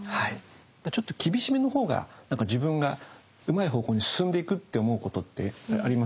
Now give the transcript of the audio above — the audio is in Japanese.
ちょっと厳しめの方がなんか自分がうまい方向に進んでいくと思うことってありません？